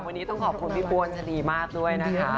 วันนี้ต้องขอบคุณพี่ปวนชะนีมากด้วยนะคะ